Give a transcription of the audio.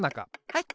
はい！